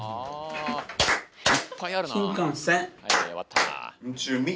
いっぱいあるなあ。